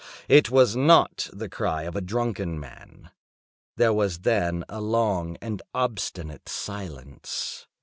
It was not the cry of a drunken man. There was then a long and obstinate silence.